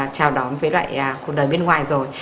chào đón với loại cuộc đời bên ngoài rồi